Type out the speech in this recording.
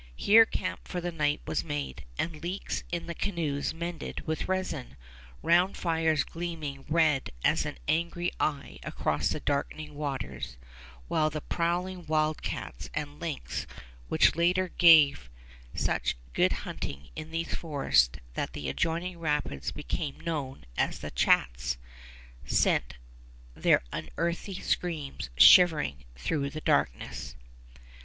Here camp for the night was made, and leaks in the canoes mended with resin, round fires gleaming red as an angry eye across the darkening waters, while the prowling wild cats and lynx, which later gave such good hunting in these forests that the adjoining rapids became known as the Chats, sent their unearthly screams shivering through the darkness.